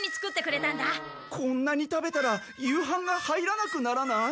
こんなに食べたら夕飯が入らなくならない？